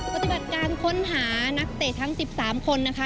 ปฏิบัติการค้นหานักเตะทั้ง๑๓คนนะคะ